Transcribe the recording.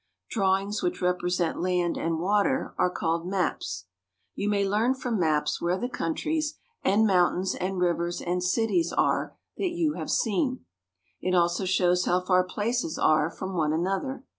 Drawings which represent land and water are called maps. You may learn from maps where the countries, and mountains, and rivers, and cities are that you have seen. It also shows how far places are from one another.